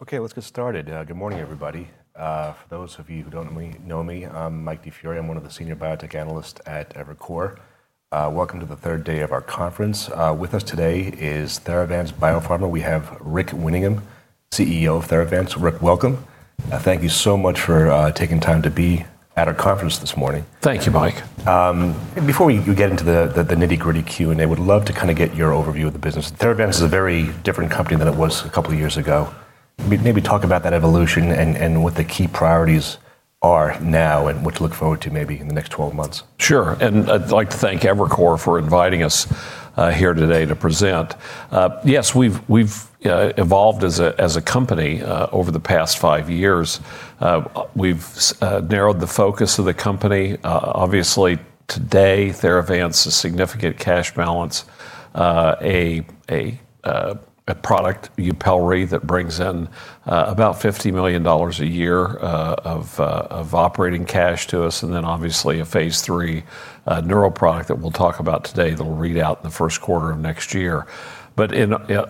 Okay, let's get started. Good morning, everybody. For those of you who don't know me, I'm Mike DiFiore. I'm one of the Senior Biotech Analyst at Evercore. Welcome to the third day of our conference. With us today is Theravance Biopharma. We have Rick Winningham, CEO of Theravance. Rick, welcome. Thank you so much for taking time to be at our conference this morning. Thank you, Mike. Before we get into the nitty-gritty Q&A, I would love to kind of get your overview of the business. Theravance is a very different company than it was a couple of years ago. Maybe talk about that evolution and what the key priorities are now and what to look forward to maybe in the next 12 months. Sure. And I'd like to thank Evercore for inviting us here today to present. Yes, we've evolved as a company over the past five years. We've narrowed the focus of the company. Obviously, today, Theravance's significant cash balance, a product, Yupelri, that brings in about $50 million a year of operating cash to us. And then, obviously, a Phase 3 neuro product that we'll talk about today that will read out in the first quarter of next year. But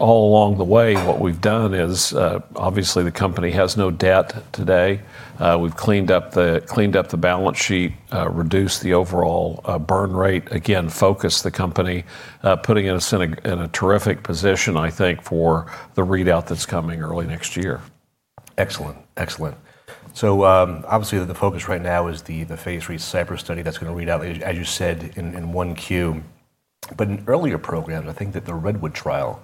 all along the way, what we've done is, obviously, the company has no debt today. We've cleaned up the balance sheet, reduced the overall burn rate, again, focused the company, putting us in a terrific position, I think, for the readout that's coming early next year. Excellent. So obviously, the focus right now is the Phase 3 Cypress study that's going to read out, as you said, in Q1. But in earlier programs, I think that the Redwood trial,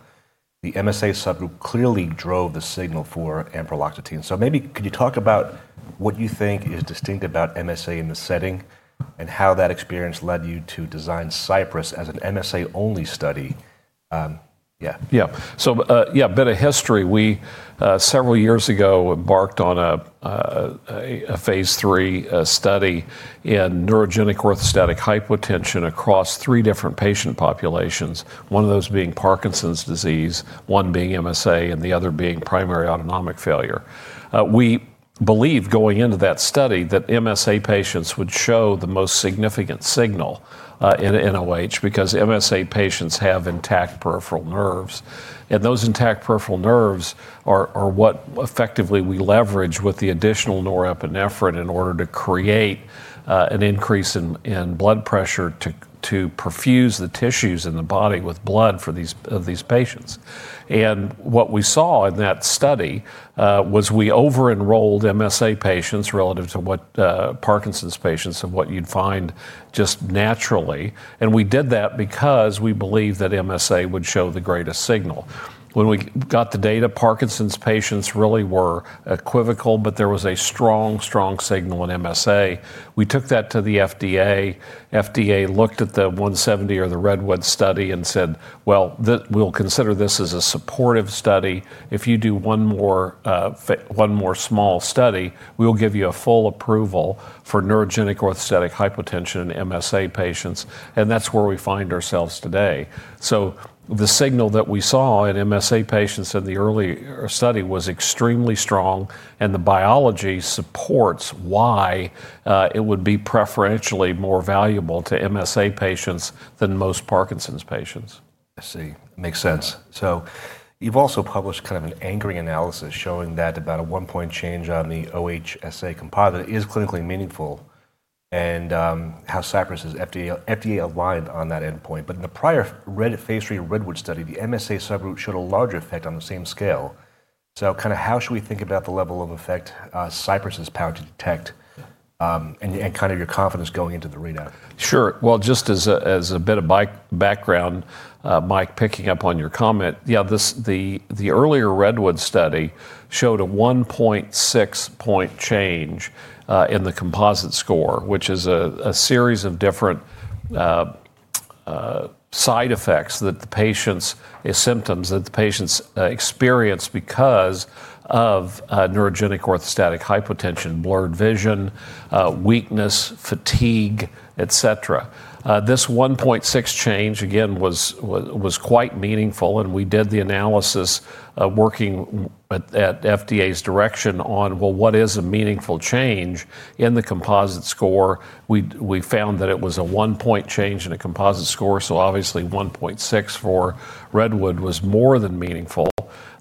the MSA subgroup clearly drove the signal for ampreloxetine. So maybe could you talk about what you think is distinct about MSA in the setting and how that experience led you to design Cypress as an MSA-only study? Yeah. Yeah, so yeah, a bit of history. We, several years ago, embarked on a phase 3 study in neurogenic orthostatic hypotension across three different patient populations, one of those being Parkinson's disease, one being MSA, and the other being primary autonomic failure. We believed going into that study that MSA patients would show the most significant signal in nOH because MSA patients have intact peripheral nerves, and those intact peripheral nerves are what effectively we leverage with the additional norepinephrine in order to create an increase in blood pressure to perfuse the tissues in the body with blood for these patients, and what we saw in that study was we over-enrolled MSA patients relative to Parkinson's patients and what you'd find just naturally, and we did that because we believed that MSA would show the greatest signal. When we got the data, Parkinson's patients really were equivocal, but there was a strong, strong signal in MSA. We took that to the FDA. FDA looked at the 170 or the Redwood study and said, well, we'll consider this as a supportive study. If you do one more small study, we'll give you a full approval for neurogenic orthostatic hypotension in MSA patients. And that's where we find ourselves today. So the signal that we saw in MSA patients in the early study was extremely strong. And the biology supports why it would be preferentially more valuable to MSA patients than most Parkinson's patients. I see. Makes sense. So you've also published kind of an integrated analysis showing that about a one-point change on the OHSA composite is clinically meaningful and how Cypress is FDA aligned on that endpoint. But in the prior Phase 3 Redwood study, the MSA subgroup showed a larger effect on the same scale. So kind of how should we think about the level of effect Cypress is powered to detect and kind of your confidence going into the readout? Sure. Well, just as a bit of background, Mike, picking up on your comment, yeah, the earlier Redwood study showed a 1.6 change in the composite score, which is a series of different symptoms that the patients experience because of neurogenic orthostatic hypotension, blurred vision, weakness, fatigue, etc. This 1.6 change, again, was quite meaningful, and we did the analysis working at FDA's direction on, well, what is a meaningful change in the composite score? We found that it was a one-point change in a composite score, so obviously, 1.6 for Redwood was more than meaningful,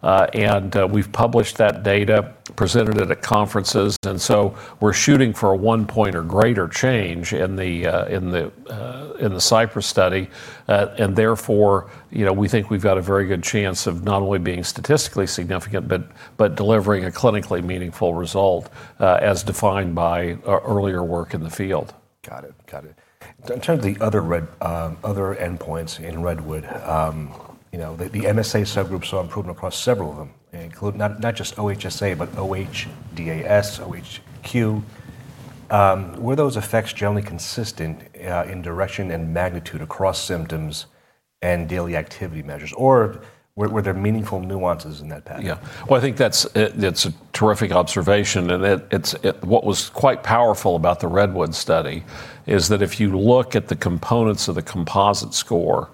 and we've published that data, presented it at conferences, and so we're shooting for a one-point or greater change in the Cypress study. Therefore, we think we've got a very good chance of not only being statistically significant, but delivering a clinically meaningful result as defined by earlier work in the field. Got it. Got it. In terms of the other endpoints in Redwood, the MSA subgroup saw improvement across several of them, not just OHSA, but OHDAS, OHQ. Were those effects generally consistent in direction and magnitude across symptoms and daily activity measures? Or were there meaningful nuances in that pattern? Yeah. Well, I think that's a terrific observation. And what was quite powerful about the Redwood study is that if you look at the components of the composite score,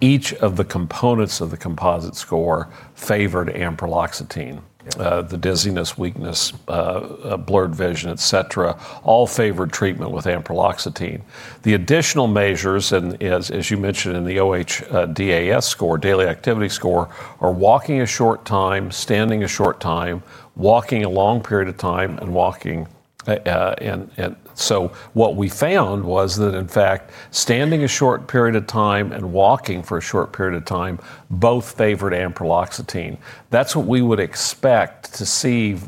each of the components of the composite score favored ampreloxetine. The dizziness, weakness, blurred vision, et cetera, all favored treatment with ampreloxetine. The additional measures, as you mentioned in the OHDAS score, daily activity score, are walking a short time, standing a short time, walking a long period of time, and walking. And so what we found was that, in fact, standing a short period of time and walking for a short period of time both favored ampreloxetine. That's what we would expect to see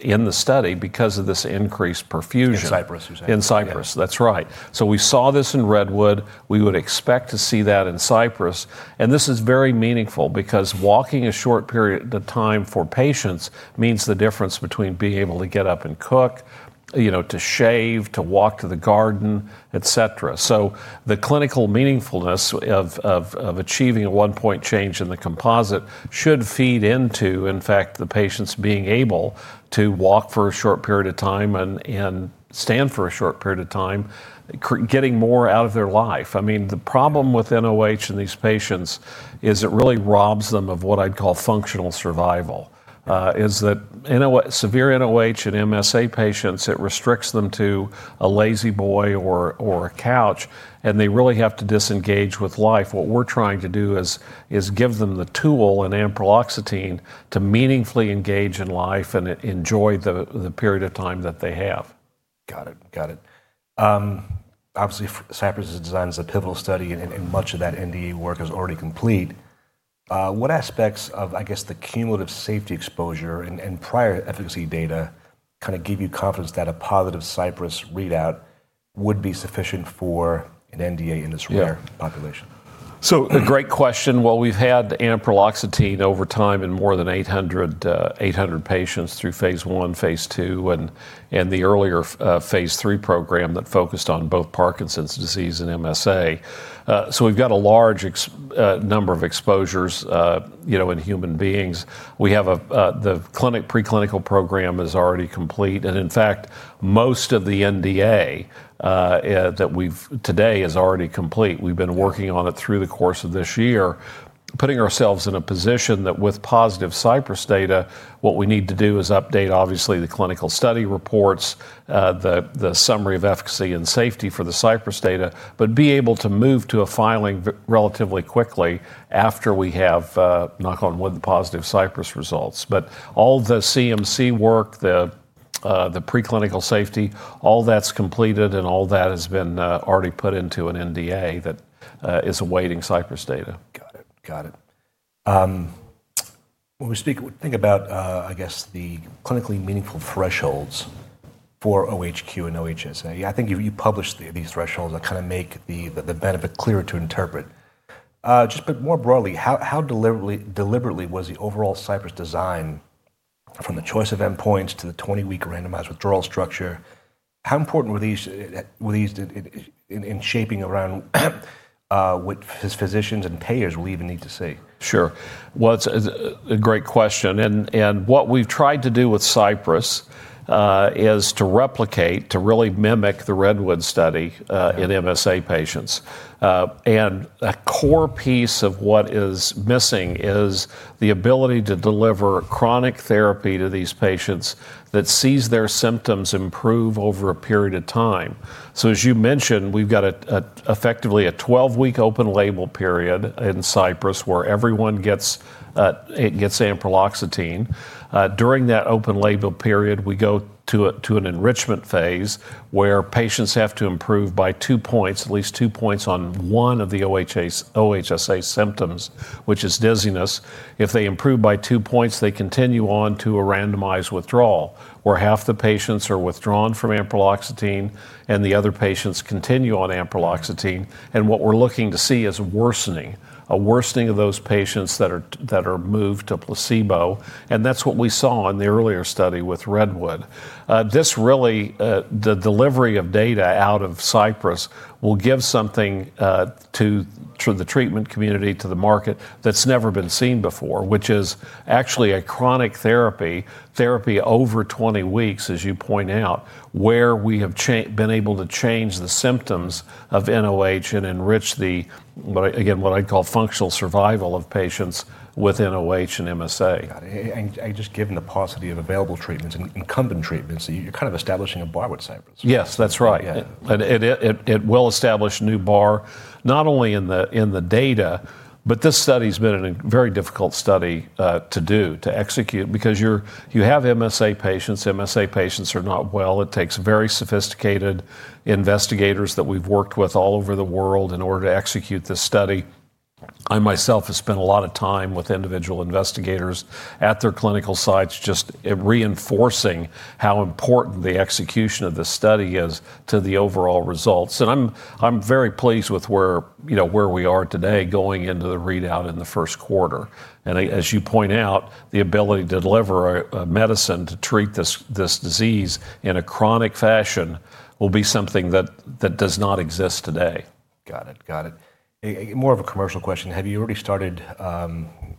in the study because of this increased perfusion. In Cypress, you're saying? In Cypress. That's right. So we saw this in Redwood. We would expect to see that in Cypress, and this is very meaningful because walking a short period of time for patients means the difference between being able to get up and cook, to shave, to walk to the garden, et cetera, so the clinical meaningfulness of achieving a one-point change in the composite should feed into, in fact, the patients being able to walk for a short period of time and stand for a short period of time, getting more out of their life. I mean, the problem with NOH and these patients is it really robs them of what I'd call functional survival is that severe NOH and MSA patients it restricts them to a La-Z-Boy or a couch, and they really have to disengage with life. What we're trying to do is give them the tool, an ampreloxetine, to meaningfully engage in life and enjoy the period of time that they have. Got it. Got it. Obviously, Cypress is designed as a pivotal study, and much of that NDA work is already complete. What aspects of, I guess, the cumulative safety exposure and prior efficacy data kind of give you confidence that a positive Cypress readout would be sufficient for an NDA in this rare population? A great question. We've had ampreloxetine over time in more than 800 patients through Phase 1, Phase 2, and the earlier Phase 3 program that focused on both Parkinson's disease and MSA. We've got a large number of exposures in human beings. The clinical preclinical program is already complete. And in fact, most of the NDA that we have today is already complete. We've been working on it through the course of this year, putting ourselves in a position that with positive Cypress data, what we need to do is update, obviously, the clinical study reports, the summary of efficacy and safety for the Cypress data, but be able to move to a filing relatively quickly after we have knock on wood the positive Cypress results. But all the CMC work, the preclinical safety, all that's completed, and all that has been already put into an NDA that is awaiting Cypress data. Got it. Got it. When we think about, I guess, the clinically meaningful thresholds for OHQ and OHSA, I think you published these thresholds that kind of make the benefit clearer to interpret. Just a bit more broadly, how deliberately was the overall Cypress design from the choice of endpoints to the 20-week randomized withdrawal structure? How important were these in shaping around what his physicians and payers will even need to see? Sure. Well, it's a great question. And what we've tried to do with Cypress is to replicate, to really mimic the Redwood study in MSA patients. And a core piece of what is missing is the ability to deliver chronic therapy to these patients that sees their symptoms improve over a period of time. So as you mentioned, we've got effectively a 12-week open label period in Cypress where everyone gets ampreloxetine. During that open label period, we go to an enrichment phase where patients have to improve by two points, at least two points on one of the OHSA symptoms, which is dizziness. If they improve by two points, they continue on to a randomized withdrawal where half the patients are withdrawn from ampreloxetine and the other patients continue on ampreloxetine. And what we're looking to see is worsening, a worsening of those patients that are moved to placebo. That's what we saw in the earlier study with Redwood. This really, the delivery of data out of Cypress will give something to the treatment community, to the market that's never been seen before, which is actually a chronic therapy, therapy over 20 weeks, as you point out, where we have been able to change the symptoms of NOH and enrich the, again, what I'd call functional survival of patients with NOH and MSA. Got it. And just given the paucity of available treatments and incumbent treatments, you're kind of establishing a bar with Cypress. Yes, that's right. It will establish a new bar, not only in the data, but this study has been a very difficult study to do, to execute, because you have MSA patients. MSA patients are not well. It takes very sophisticated investigators that we've worked with all over the world in order to execute this study. I myself have spent a lot of time with individual investigators at their clinical sites just reinforcing how important the execution of this study is to the overall results, and I'm very pleased with where we are today going into the readout in the first quarter, and as you point out, the ability to deliver a medicine to treat this disease in a chronic fashion will be something that does not exist today. Got it. Got it. More of a commercial question. Have you already started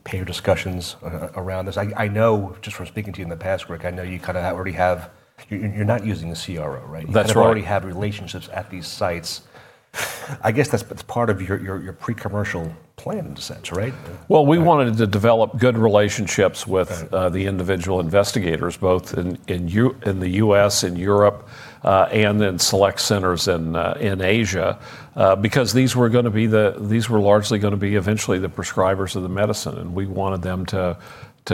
payer discussions around this? I know just from speaking to you in the past, Rick, I know you kind of already have, you're not using a CRO, right? That's right. You already have relationships at these sites. I guess that's part of your pre-commercial plan in a sense, right? We wanted to develop good relationships with the individual investigators, both in the U.S. and Europe and then select centers in Asia, because these were largely going to be eventually the prescribers of the medicine, and we wanted them to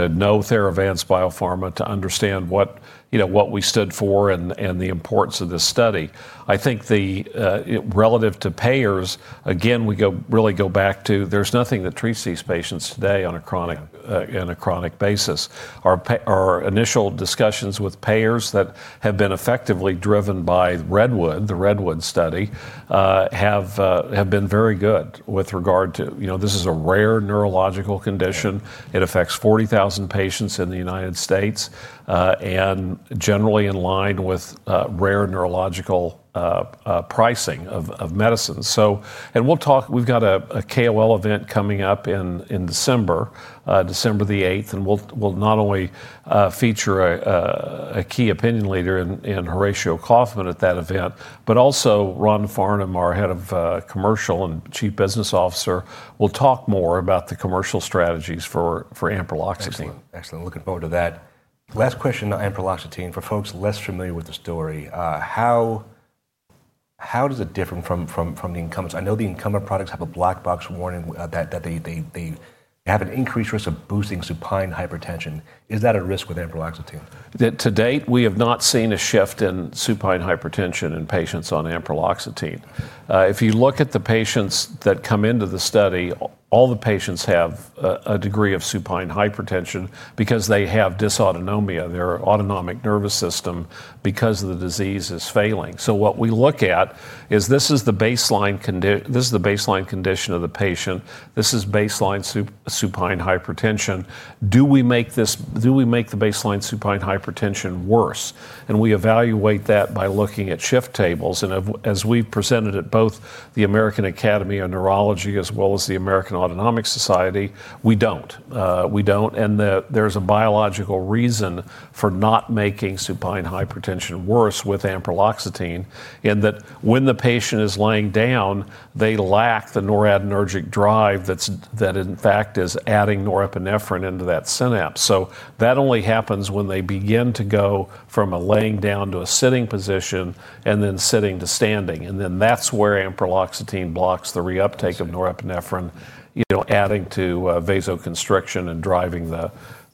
know Theravance Biopharma to understand what we stood for and the importance of this study. I think relative to payers, again, we really go back to there's nothing that treats these patients today on a chronic basis. Our initial discussions with payers that have been effectively driven by Redwood, the Redwood study, have been very good with regard to, this is a rare neurological condition. It affects 40,000 patients in the United States and generally in line with rare neurological pricing of medicines, and we've got a KOL event coming up in December, December the 8th. We'll not only feature a key opinion leader in Horacio Kaufmann at that event, but also Rhonda Farnum, our Head of Commercial and Chief Business Officer, will talk more about the commercial strategies for ampreloxetine. Excellent. Excellent. Looking forward to that. Last question on ampreloxetine for folks less familiar with the story. How does it differ from the incumbents? I know the incumbent products have a black box warning that they have an increased risk of boosting supine hypertension. Is that a risk with ampreloxetine? To date, we have not seen a shift in supine hypertension in patients on ampreloxetine. If you look at the patients that come into the study, all the patients have a degree of supine hypertension because they have dysautonomia, their autonomic nervous system because the disease is failing. So what we look at is this is the baseline condition of the patient. This is baseline supine hypertension. Do we make the baseline supine hypertension worse? And we evaluate that by looking at shift tables. And as we've presented at both the American Academy of Neurology as well as the American Autonomic Society, we don't. We don't. And there's a biological reason for not making supine hypertension worse with ampreloxetine in that when the patient is lying down, they lack the noradrenergic drive that in fact is adding norepinephrine into that synapse. So that only happens when they begin to go from a lying down to a sitting position and then sitting to standing. And then that's where ampreloxetine blocks the reuptake of norepinephrine, adding to vasoconstriction and driving the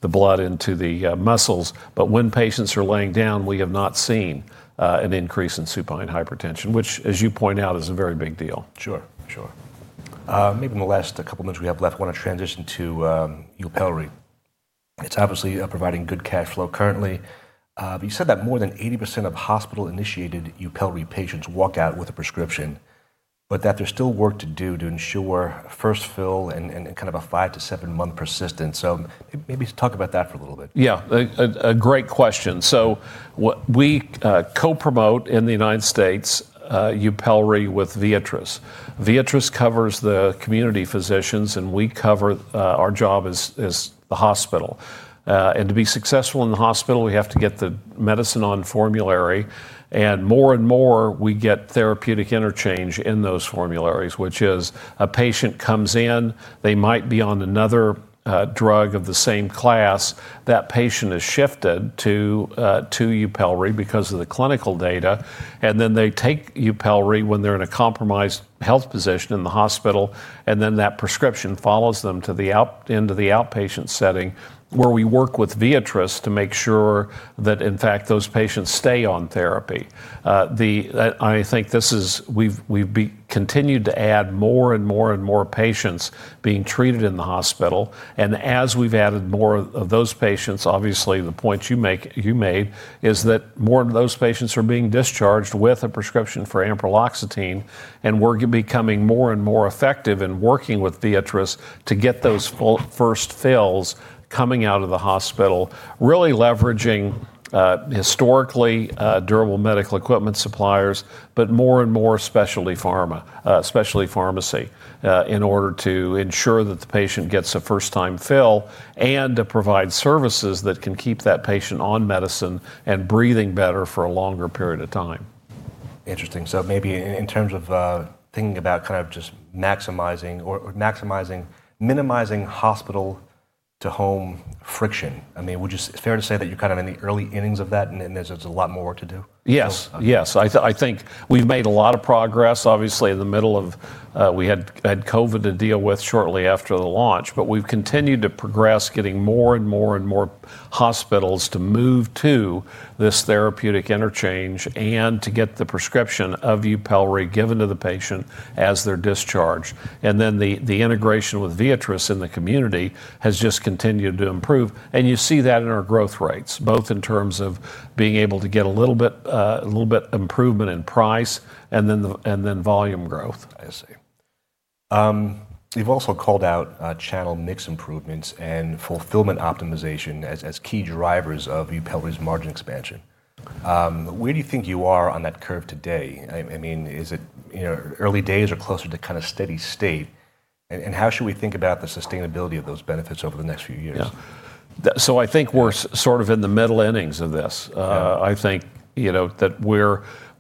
blood into the muscles. But when patients are lying down, we have not seen an increase in supine hypertension, which, as you point out, is a very big deal. Sure. Sure. Maybe in the last couple of minutes we have left, I want to transition to Yupelri. It's obviously providing good cash flow currently. You said that more than 80% of hospital-initiated Yupelri patients walk out with a prescription, but that there's still work to do to ensure first fill and kind of a five to seven-month persistence. So maybe talk about that for a little bit. Yeah. A great question. So we co-promote in the United States Yupelri with Viatris. Viatris covers the community physicians, and we cover our job as the hospital. And to be successful in the hospital, we have to get the medicine on formulary. And more and more, we get therapeutic interchange in those formularies, which is a patient comes in, they might be on another drug of the same class, that patient is shifted to Yupelri because of the clinical data. And then they take Yupelri when they're in a compromised health position in the hospital, and then that prescription follows them to the outpatient setting where we work with Viatris to make sure that, in fact, those patients stay on therapy. I think this is. We've continued to add more and more and more patients being treated in the hospital. And as we've added more of those patients, obviously, the points you made is that more of those patients are being discharged with a prescription for ampreloxetine. And we're becoming more and more effective in working with Viatris to get those first fills coming out of the hospital, really leveraging historically durable medical equipment suppliers, but more and more specialty pharmacy in order to ensure that the patient gets a first-time fill and to provide services that can keep that patient on medicine and breathing better for a longer period of time. Interesting. So maybe in terms of thinking about kind of just maximizing or minimizing hospital-to-home friction, I mean, would you say it's fair to say that you're kind of in the early innings of that and there's a lot more work to do? Yes. Yes. I think we've made a lot of progress. Obviously, in the middle of we had COVID to deal with shortly after the launch, but we've continued to progress, getting more and more and more hospitals to move to this therapeutic interchange and to get the prescription of Yupelri given to the patient as they're discharged. And then the integration with Viatris in the community has just continued to improve. And you see that in our growth rates, both in terms of being able to get a little bit improvement in price and then volume growth. I see. You've also called out channel mix improvements and fulfillment optimization as key drivers of Yupelri's margin expansion. Where do you think you are on that curve today? I mean, is it early days or closer to kind of steady state? And how should we think about the sustainability of those benefits over the next few years? So I think we're sort of in the middle innings of this. I think that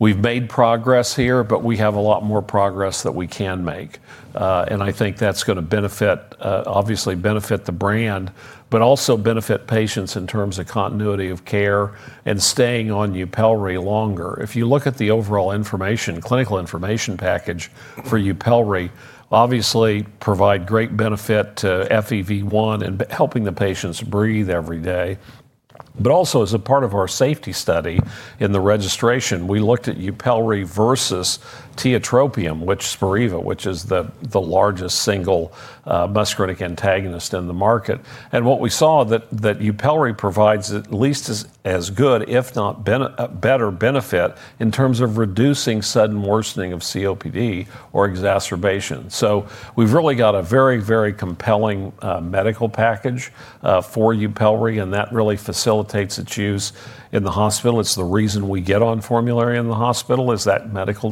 we've made progress here, but we have a lot more progress that we can make. And I think that's going to benefit, obviously benefit the brand, but also benefit patients in terms of continuity of care and staying on Yupelri longer. If you look at the overall information, clinical information package for Yupelri, obviously provide great benefit to FEV1 and helping the patients breathe every day. But also as a part of our safety study in the registration, we looked at Yupelri versus tiotropium, which is Spiriva, which is the largest single muscarinic antagonist in the market. And what we saw that Yupelri provides at least as good, if not better benefit in terms of reducing sudden worsening of COPD or exacerbation. We've really got a very, very compelling medical package for Yupelri, and that really facilitates its use in the hospital. It's the reason we get on formulary in the hospital is that medical,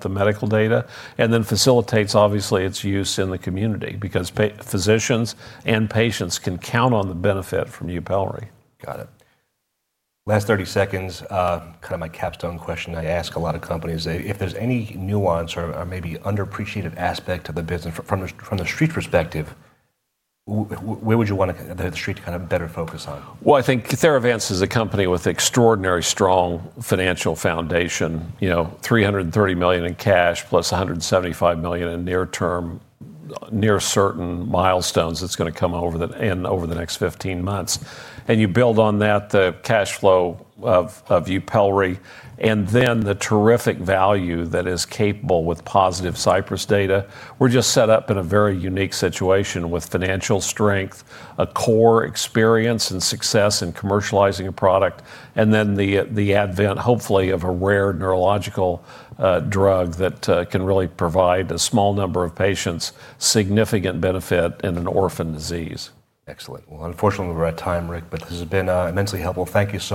the medical data, and then facilitates obviously its use in the community because physicians and patients can count on the benefit from Yupelri. Got it. Last 30 seconds, kind of my capstone question. I ask a lot of companies if there's any nuance or maybe underappreciated aspect of the business from the street perspective, where would you want the street to kind of better focus on? I think Theravance is a company with an extraordinarily strong financial foundation, $330 million in cash plus $175 million in near-term, near certain milestones that's going to come over the next 15 months. And you build on that, the cash flow of Yupelri, and then the terrific value that is capable with positive Cypress data. We're just set up in a very unique situation with financial strength, a core experience and success in commercializing a product, and then the advent, hopefully, of a rare neurological drug that can really provide a small number of patients significant benefit in an orphan disease. Excellent. Well, unfortunately, we're at time, Rick, but this has been immensely helpful. Thank you.